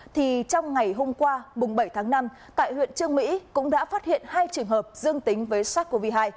thì trong ngày hôm qua bảy tháng năm tại huyện trương mỹ cũng đã phát hiện hai trường hợp dương tính với sars cov hai